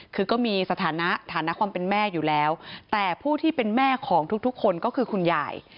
คือก็มีสถานะฐานะความเป็นแม่อยู่แล้วแต่ผู้ที่เป็นแม่ของทุกคนก็คือคุณยาย